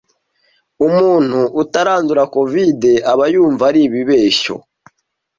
Umuntu utarandura COVID aba yumva ari ibi beshyo